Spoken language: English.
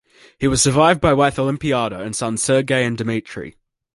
He was survived by wife Olimpiada and sons Sergey and Dmitry.